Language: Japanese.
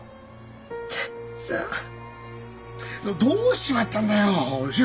どうしちまったんだよお俊！